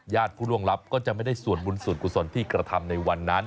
ผู้ล่วงลับก็จะไม่ได้สวดบุญส่วนกุศลที่กระทำในวันนั้น